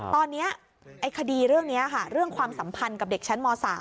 ตอนนี้คดีเรื่องนี้ค่ะเรื่องความสัมพันธ์กับเด็กชั้นม๓